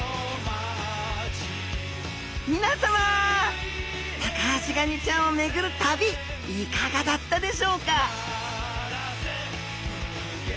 皆さまタカアシガニちゃんを巡る旅いかがだったでしょうか？